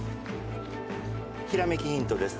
ひらめきヒントです。